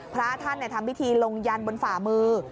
พระท่านทำพิธีลงยันบนฝ่ามือ